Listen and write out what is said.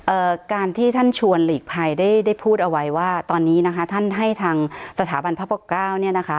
การที่ท่านชวนหลีกภัยได้ได้พูดเอาไว้ว่าตอนนี้นะคะท่านให้ทางสถาบันพระปกเก้าเนี่ยนะคะ